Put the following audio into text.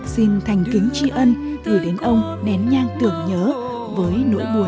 xin thành kính tri ân gửi đến ông nén nhang tưởng nhớ với nỗi buồn hôn nguôi